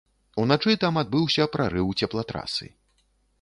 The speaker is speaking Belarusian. Уначы там адбыўся прарыў цеплатрасы.